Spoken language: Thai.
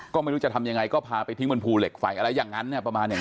ก็ไม่รู้จะทำยังไงก็พาไปทิ้งบนภูเหล็กไฟอะไรอย่างนั้นเนี่ยประมาณอย่างนั้น